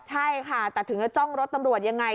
ใช่ค่ะแต่ถึงจะจ้องรถตำรวจยังไง